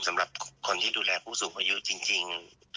สำหรับคนที่ดูแลผู้สูงอายุจริง